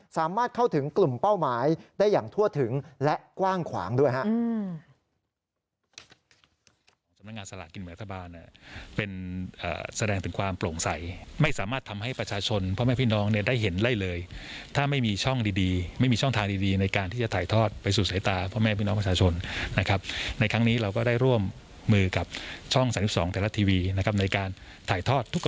สามารถเข้าถึงกลุ่มเป้าหมายได้อย่างทั่วถึงและกว้างขวางด้วยครับ